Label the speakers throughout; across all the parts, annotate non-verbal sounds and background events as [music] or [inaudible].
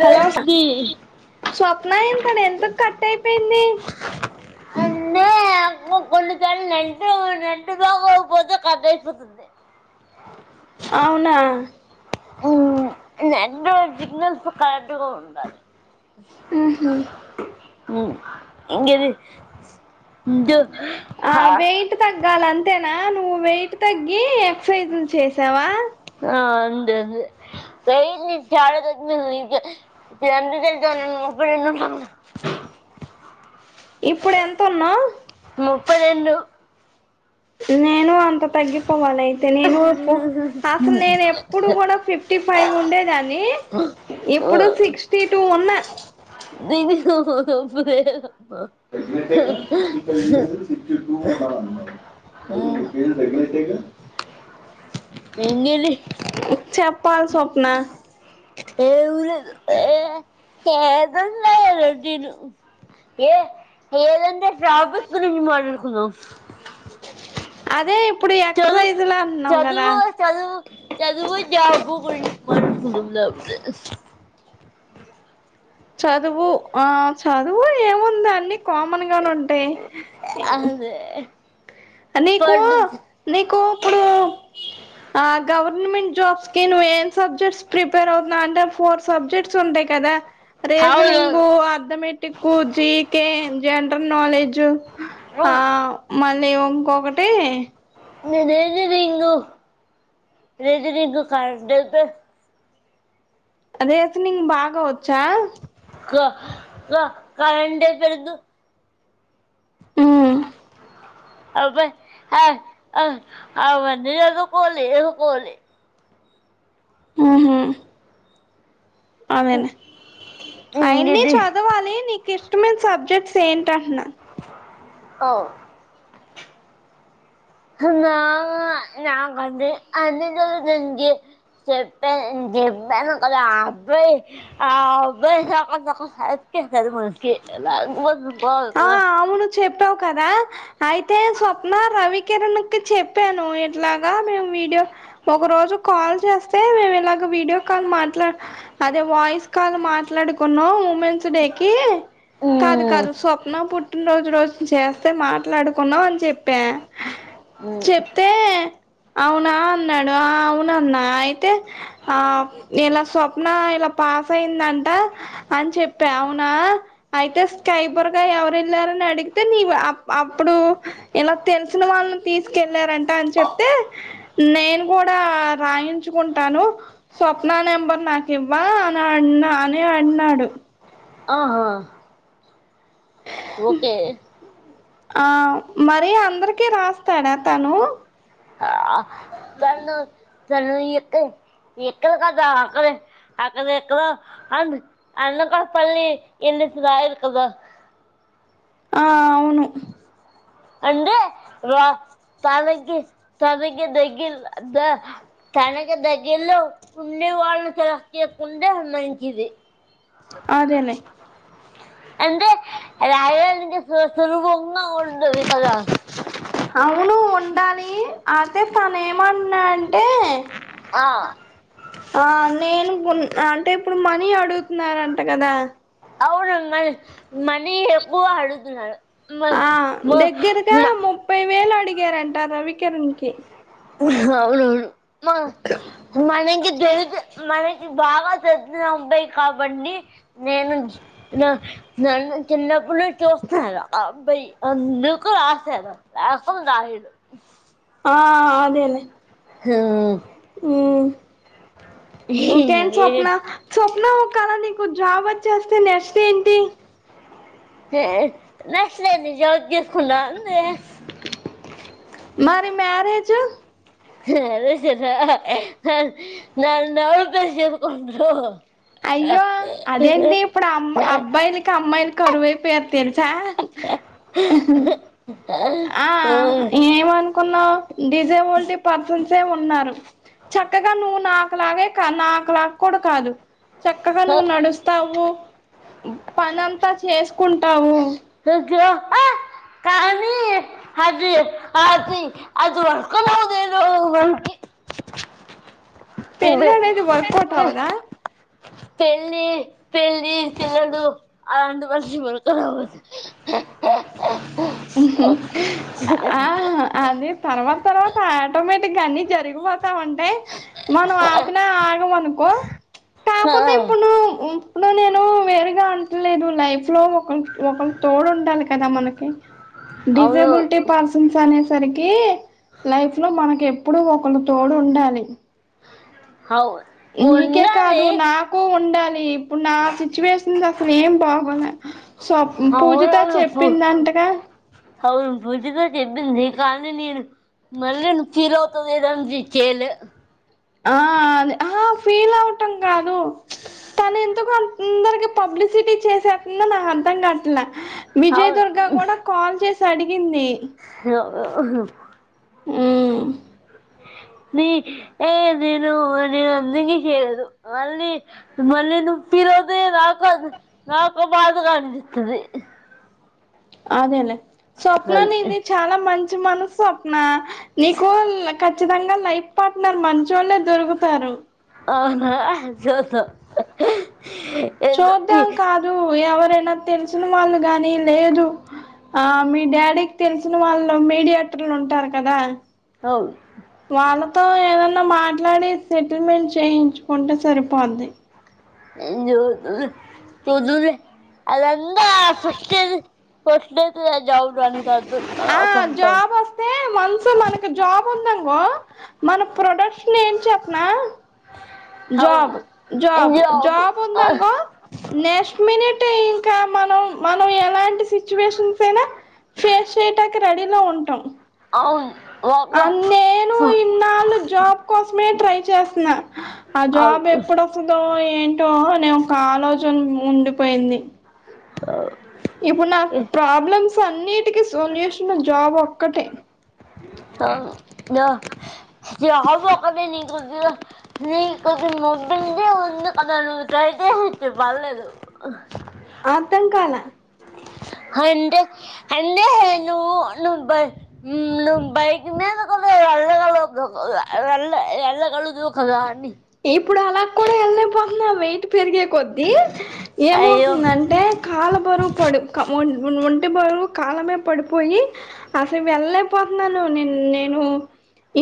Speaker 1: Hello స్వప్న ఇప్పుడు ఎందుకు cut అయిపోయింది.
Speaker 2: అంటే నాకు కొన్నిసార్లు నెట్టు నెట్టు బాగోకపోతే కట్ అయిపోతుంది.
Speaker 1: అవునా.
Speaker 2: నెట్ సిగ్నల్స్ కట్ ఉండాలి
Speaker 1: ఉహు
Speaker 2: హ్మ్ ఇంగిది.
Speaker 1: ఆ వెయిట్ తగ్గాలి అంతే. నువ్వు వెయిట్ తగ్గి ఎక్ససైజ్లు చేసావా.
Speaker 2: ఆ అండ్ వెయిట్ చాలా తగ్గినా మీ అందరి తెలుసు నేను ముప్పైఏళ్ళు ఉంటాను
Speaker 1: ఇప్పుడు ఎంత ఉన్నావు
Speaker 2: ముప్పైరెండు
Speaker 1: నేను అం అ తగ్గిపోవాల అయితే నేను అసలు నేను ఎప్పుడు కూడా ఫిఫ్టీ ఫైవ్ ఉండేదాన్ని ఇప్పుడు సిక్స్టీ టూ ఉన్నా.
Speaker 2: నిను
Speaker 1: తగ్గినట్టేగా సిక్స్టీ ఫైవ్ ఉండేది సిక్స్టీ టూ ఉండాలన్నావు
Speaker 2: ఉమ్
Speaker 1: మూడు కేజీలు తగ్గినట్టేగా
Speaker 2: వెంగ్లీ
Speaker 1: చెప్పాలి స్వప్న
Speaker 2: ఏం లేదు ఏదన్నా ఏంలేద్ ఏ ఏదంటే ట్రాఫిక్ గురించి మాట్లాడుకుందాం.
Speaker 1: అదే ఇప్పుడు
Speaker 2: చదువ్
Speaker 1: ఎక్సైజులు అంటున్నాం కదా
Speaker 2: చదువు చదువు చదువు జాబ్ మాట్లాడుకుందాం జాబు
Speaker 1: చదువు ఆ చదువు ఏముంది అన్ని కామన్ గానే ఉంటాయి.
Speaker 2: అదే
Speaker 1: నీకు
Speaker 2: పడు
Speaker 1: నీకు ఇప్పుడు ఆ గవర్నమెంట్ జాబ్స్ కి నువ్వేం సబ్జెక్ట్స్ ప్రిపేర్ అవుతున్నా అంటే. ఫోర్ సబ్జెక్ట్స్ ఉంటాయి కదా
Speaker 2: అవును
Speaker 1: reasoning arithmetic GK general knowledge ఆ
Speaker 2: అవును
Speaker 1: మన నేవ్వొ ఇంకొకటి
Speaker 2: న రేది రింగు రేది రంగ కడతే
Speaker 1: అదే అతనికి బాగా వచ్చా
Speaker 2: క క కరంట్ ట్పరుందు
Speaker 1: ఆ
Speaker 2: అబ్బా అవన్ని లేక పోలె లేక పోలె
Speaker 1: ఆహా అమెనే అయన్ని
Speaker 2: ఇది
Speaker 1: చదవాలి నీకు ఇష్ట ఇక్కడ నా సబ్జెక్ట్స్ ఏంటి అంటన్నా
Speaker 2: ఓ నా నా వద్దు అబ్బో అబ్బో. వదు బాగు
Speaker 1: ఆ
Speaker 2: కదా
Speaker 1: అవును చెప్పావు కదా అయితే స్వప్న రవికిిరణ్ కు చెప్పాను ఎట్లాగా మేము వీడియో ఒక రోజు కాల్ చేస్తే మేము ఇలాగో వీడియో కాల్ మాట్లాడు అదే వాయిస్ కాల్ మాట్లాడుకున్నాం ఉమెన్స్ డే కి కాదు
Speaker 2: మ్మ్.
Speaker 1: కాదు స్వప్నం పుట్టిన రోజు రోజు చేస్తా కే మాట్లాడుకున్నావు అని చెప్పా
Speaker 2: మ్మ్.
Speaker 1: చెప్తే అవునా అన్నాడు అవున అన్నా అయితే ఆ ఇలా స్వప్న ఇలా పాస్ అయిందంట అని చెప్పా అవునా అయితే కైబుర్గా ఎవరు వెళ్లారని అడిగితే నీవు అ అప్పుడు ఇలా తెలిసిన వాళ్ళని తీసుకెళ్ళారంట అని చెప్తే నేను కూడా రాయించుకుంటాను స్వప్న నెంబర్ నాకు ఇవ్వా అని అన్నా అని అన్నాడు
Speaker 2: ఆహా ఓకే
Speaker 1: ఆ మరి అందరికి రాస్తాడా తను
Speaker 2: ఆ పనులు ఎక్క ఎక్క కదాకలే అక్కడ ఎక్కడో అ అనకాపల్లిలో ఎన్ని ఫ ఇకద
Speaker 1: ఆ అవును
Speaker 2: అంటే రా తనకీ తనకి దగ్గర తనకు దగ్గర్లో ఉండే వాళ్ళు చేసుకుంటే మంచిది
Speaker 1: అదే లే
Speaker 2: అంటే రా సుభంగ ఉంటది కదా
Speaker 1: అవును ఉండాలి అదే తను ఏమంటున్నాడంటే
Speaker 2: ఆ,
Speaker 1: ఆ నేను అంటే ఇప్పుడు మనీ అడుగుతున్నారంట కదా
Speaker 2: అవునుంగా మనీ ఎప్పు అడుగుతున్నారు
Speaker 1: ఆ
Speaker 2: మ- మ-
Speaker 1: దగ్గరగా
Speaker 2: మ-
Speaker 1: ముప్పై వేలు అడిగారంట. రవి కేం నికి
Speaker 2: అవునవును మా [unintelligible] తెలుతే మనకి బాగా తెలిసిన అబ్బాయి కాబట్టి నేను నన్ను చిన్నప్పుడు చూస్తున్నారు ఆ అబ్బాయి అందుకు రాశాను రాకం రాయుడు
Speaker 1: ఆ అదేలే
Speaker 2: ఆ
Speaker 1: హ్ ఇకేం స్వప్న స్వప్నా ఒకేల నీకు జాబ్ వొచ్చేస్తే నెక్స్ట్ ఏంటి.
Speaker 2: నచ్చలేదు. [unintelligible] జేసుకున్న అంతే
Speaker 1: చ్చ
Speaker 2: అదే సరే నా నాలుకా చేసుకుంట్రూ
Speaker 1: అయ్యో అదేంటి ఇప్పుడు అమ్ అబ్బాయిలకి అమ్మాయిలకి కరూవే [unintelligible] తెలుసా ఆ ఏమనుకున్నావ్ డిజే ఓల్టీ పర్సన్స్ ఉన్నారు చక్కగా నువ్వు నాకు లాగే కా నాకలాగ కూడా కాదు చక్కగా నువ్వు నడుస్తావు పనంతా చేసుకుంటావు
Speaker 2: అయ్యో కానీ అది అసి అది వర్కౌట్ అవ్వలేదు వనీకి
Speaker 1: తెల్లోడైతే వర్కౌట్ అవ్వదా
Speaker 2: పెళ్ళి పెళ్ళి తెల్డు ఆ రెండు మనిషి [unintelligible]
Speaker 1: ఆ అదే తర్వాత తర్వాత ఆటోమేటిక్ ఇగ అన్ని జరీగిపో తం అంటే మనం ఆపిన ఆగం ఆనుకో
Speaker 2: ఆ,
Speaker 1: కాకపోతే ఇప్పుడు నువ్వు ఇప్పుడు నేను వేరుగా ఉంటలేదు లైఫ్ లో ఒక ఒకరు తోడు ఉండాలి కదా మనకి
Speaker 2: అవును
Speaker 1: డిసేబూలిటీ పర్సన్స్ అనేసి సరికి లైఫ్ లో మనకి ఏ ఏప్పుడు ఒకలు తోడు ఉండాలి.
Speaker 2: అవు-
Speaker 1: నీకే
Speaker 2: ఉన్నది
Speaker 1: కాదు నాకు ఉండలీ పీప్ ఇప్పుడు నా సిచ్యువేషన్ అసలు ఏం బాగోలే స్వప్ పూజిత
Speaker 2: అవునవును పు-
Speaker 1: చెప్పింది అంటగా
Speaker 2: అవును పూజగా చెప్పింది కానీ నేను మళ్ళ ఫీల్ అవుత ఏమో అని చేయలే
Speaker 1: ఆ అదే ఆ ఫీల్ ఔటు కాదు తను ఎందుకు అ తొందరగా పబ్లిసిటీ చేసేంద నా అర్థం గాట్ల విజయదుర్గా కూడా కాల్ చేసా అడి నిన్నే
Speaker 2: హ [unintelligible]
Speaker 1: హ్
Speaker 2: నీ ఏ నేను నేను అందక చేయదు మళ్ళీ మళ్ళీ నువ్ ఫీల్ ఐతే నాకు నాకు బాధ కానిపితది
Speaker 1: అదేలే స్వప్నా
Speaker 2: అది
Speaker 1: నీది చాలా మం నను స్వప్న బీ కూల్ కచ్చితంగా పైపు పాట్నర్ మంచోళ్లే దొరుకుతారు
Speaker 2: అ ఆ జో తో
Speaker 1: చూద్దాం కాదు ఎవరైనా తెలిసిన వాళ్ళు గానీ లేదు ఆ మీ డాడీకి తెలిసిన వాళ్ళు మీడియేటర్లు ఉంటారు కదా
Speaker 2: అవును
Speaker 1: వాళ్ళతో ఏద న మాట్లాడి సెటిల్మెంట్ చేయించుకుంటే సరిపోద్ది
Speaker 2: చుచూ చూదువులే అదంతా ఫెస్టేజి ఫస్ట్ ఐతద్దది జవురు అనే తదు
Speaker 1: ఆ
Speaker 2: పాపం త
Speaker 1: ఉందంగో మన ప్రొడక్షన్ ఏం చెప్పనా జాబ్ జాబ్ జాబ్ ఉందంగో నెక్స్ట్ మినిట్ ఇంకా మనం మనం ఎలాంటి సిచ్యువేషన్స్ అయినా ఫేస్ చేయటానికి రెడీలో ఉంటాం
Speaker 2: అవును
Speaker 1: అ
Speaker 2: ఒక
Speaker 1: నేను ఇన్నాళ్ళు జాబ్ కోసమే ట్రై చేస్తున్నా జాబ్
Speaker 2: అవును
Speaker 1: ఎప్పుడస్తదో ఏంటో నేను కాలో చున్ ఉండిపోయింది
Speaker 2: ఆవ్
Speaker 1: ఇప్పుడు నా ప్రాబ్లమ్స్ అన్నిటికి సొల్యూషను జాబ్ ఒక్కటే
Speaker 2: అ ద హ కదే నకుకు మ కదకుయితేతే పలేదు
Speaker 1: అర్థం కాలా
Speaker 2: అంటే అండే నువ్వు ను బ ను బైకి మే ఎల్ ఎ ఎల కలుదా అన్నీ
Speaker 1: ఇప్పుడు అలా కూడా వెళ్లే పోతున్నాం పెరిగే కొద్ది
Speaker 2: అయ్యో
Speaker 1: ఏమవుతుందంటే కాల బొరువు పొడి ఇ బరువు కాలమే పడిపోయి అసలు వెళ్లేపోతున్నాను నే నేను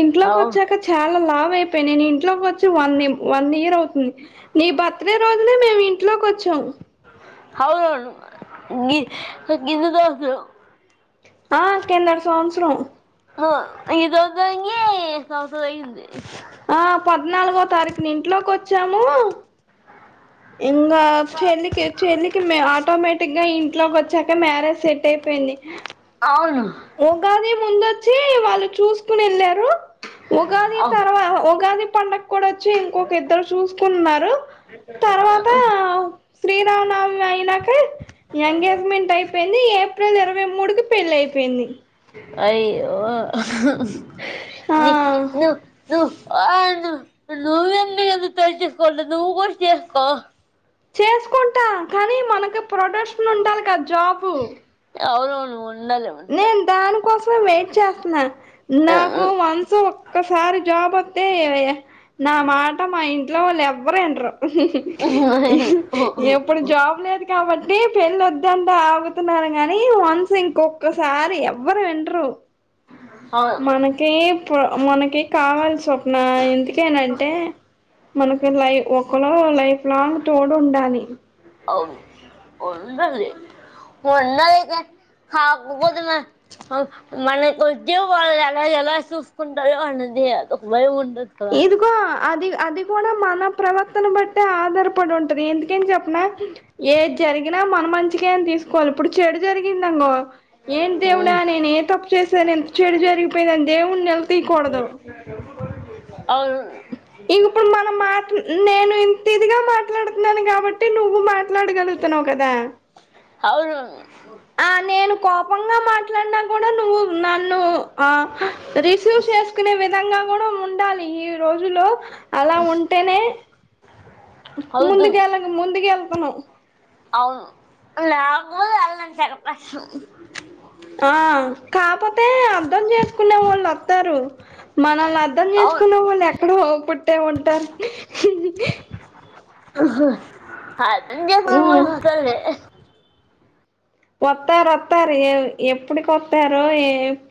Speaker 1: ఇంట్లోకి
Speaker 2: అవును
Speaker 1: వచ్చాక చాలా లాభ అయిపెయినై నేను ఇంట్లో కొచ్చి వన్ ఇం వన్ ఇయర్ అవుతుంది నీ బర్త్ డే రోజునే మేము ఇంట్లోకి వచ్చాం
Speaker 2: అవునవును గి గింతతోందు
Speaker 1: ఆ కిందటి సంవత్సరం
Speaker 2: అ ఈరోజంగి సంవత్సరం అయింది
Speaker 1: ఆ పద్నాలుగో తారీఖుని ఇంట్లోకి వచ్చాము ఇంగా చెల్లికి చెల్లికి మే ఆటోమేటిక్గా ఇ ఇంట్లోకి వచ్చాక మ్యారేజ్ సెట్ అయిపోయింది
Speaker 2: అవును
Speaker 1: ఉగాది ముందొచ్చి వాళ్ళు చూసుకుని ఏళ్ళారు ఉగాది
Speaker 2: అవును
Speaker 1: తర్వా ఉగాది కండక్ట్ కుదఒచ్చి ఇంకొక ఇద్దరు చూసుకున్నారు తర్వాత శ్రీరామనమి అయినాక ఎంగేజ్మెంట్ అయిపేయింది ఏప్రిల్ ఇరవై మూడుకి పేళ్లయి కెన్ని
Speaker 2: అయ్యో ఆహ్
Speaker 1: ఆ
Speaker 2: ని ను ను ఆ నువ్వెంందు తచస్కోదు నువ్వు కూడా చేసుకో
Speaker 1: చేసుకుంటా కానీ మనకు ప్రొడక్షన్ ఉండాలి కదా జాబు
Speaker 2: అవునువును
Speaker 1: నేను దానికోసం వెయిట్ చేస్తున్నా నాకు వన్స్ ఒక్కసారి జాబ్ వ ఎవయ్య నా మాట మా ఇ ఇట్లా వాళ్ళు ఎవరో ఏంట్రా ఎప్పుడు జాబ్ లేదు కాబట్టి పెళ్లి వద్దంట తున్నారు కాని వన్ సింగ్ కు ఒకక్కసారి ఎవ్వరు వింటేరు
Speaker 2: అవును
Speaker 1: మనకి ఇప్పుడు మనకి కావాలి స్వప్న ఎందుకేనంటే మనకు లై ఒక క్కలో లైఫ్ లాంగ్ తోడు ఉండాలి
Speaker 2: వు ఉండది ఉండది కాకపోతే మన కొద్ వాళ్ళు ఎలా ఎలా చూసుకుంటారు వాన్నది అదొక అని బా
Speaker 1: ఇదిగో అది అది కూడా మన ప్రవర్తన బట్టే ఆధారపడి ఉంటది ఎందుకని చెప్పిన ఏ జరిగినా మనం మంచిగా అని తీసుకోవాలి ఇప్పుడు చెడు జరిగిందంగో ఏంటి దేవుడా నేను ఏ తప్పు చేసా చెడు జరిగిపోయిందని దేవుడిని నిల తీయకూడదు మాట్
Speaker 2: అవును
Speaker 1: నేను ఇంత ఇదిగా మాట్లాడుతున్నాను కాబట్టి నువ్వు మాట్లాడగలుగుతున్నావు కదా
Speaker 2: అవును
Speaker 1: ఆ నేను కోపంగా మాట్లాడినా కూడా నువ్వు నన్ను ఆ రిసీవ్ చేసుకునే విధంగా కూడా ఉండాలి ఈ రోజుల్లో అలా ఉంటేనే ముందుకు
Speaker 2: అవుతుంది
Speaker 1: వెళ్ళ ముందుకు వెళ్ళ తన
Speaker 2: అవును నాకు [unintelligible]
Speaker 1: ఆ కాపోతే అర్ధం చేసుకునే వాళ్ళు వస్తారు మనల్ళ అర్ధం
Speaker 2: అవును
Speaker 1: చేసుకునే వాళ్ళు ఎక్కడో పుట్టి ట్టే ఉంటారు
Speaker 2: [unintelligible] అర్థం చేసుకునే
Speaker 1: ఉ
Speaker 2: వాళ్ళు ఉంటారు లే
Speaker 1: వస్తారు వస్తారు ఏ ఎప్పుడికి వస్తారు ఏ